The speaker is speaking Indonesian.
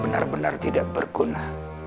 benar benar tidak berguna